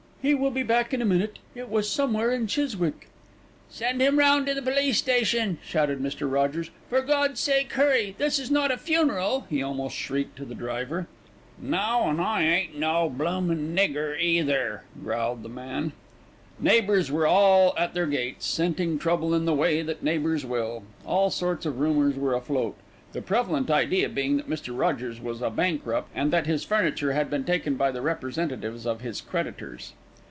He will be back in a minute. It was somewhere in Chiswick." "Send him round to the police station," shouted Mr. Rogers. "For God's sake hurry, this is not a funeral," he almost shrieked to the driver. "No, an' I ain't no bloomin' nigger neither," growled the man. Neighbours were at their gates, scenting trouble in the way that neighbours will. All sorts of rumours were afloat, the prevalent idea being that Mr. Rogers was a bankrupt, and that his furniture had been taken by the representatives of his creditors.